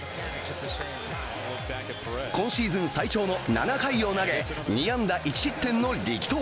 今シーズン最長の７回を投げ２安打１失点の力投。